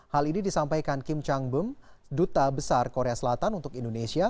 hal ini disampaikan kim chang bem duta besar korea selatan untuk indonesia